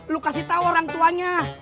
lu kasih tahu orang tuanya